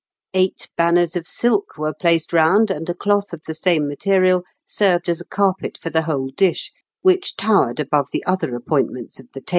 Eight banners of silk were placed round, and a cloth of the same material served as a carpet for the whole dish, which towered above the other appointments of the table.